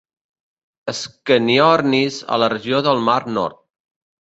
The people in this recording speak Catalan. "Scaniornis" a la regió del Mar Nord.